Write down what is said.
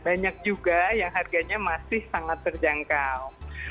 banyak juga yang harganya masih sangat terjangkau